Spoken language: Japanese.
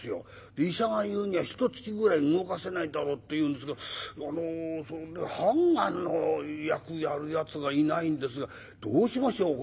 医者が言うにはひとつきぐらい動かせないだろうって言うんですけどあの判官の役やるやつがいないんですがどうしましょう？